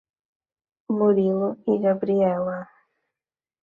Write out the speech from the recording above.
Murilo e Gabriela